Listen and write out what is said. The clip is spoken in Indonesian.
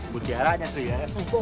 mutiaranya sih ya